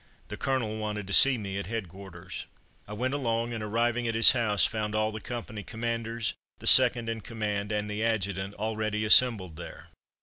The Colonel wanted to see me at headquarters. I went along, and arriving at his house found all the company commanders, the second in command, and the Adjutant, already assembled there.